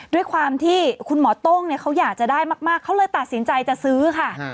ด้วยความที่คุณหมอโต้งเขาอยากจะได้มากเขาเลยตัดสินใจจะซื้อค่ะ